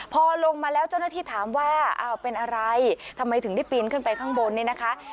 พอลงมาแล้วเจ้าหน้าที่ถามว่าอ้าวเป็นอะไรทำไมถึงได้ปีนขึ้นไปข้างบนเนี่ยนะคะ